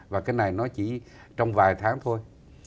và cái này nó chỉ trong vài tháng thôi